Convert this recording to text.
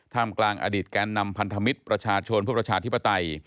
กลางอดีตแกนนำพันธมิตรประชาชนเพื่อประชาธิปไตย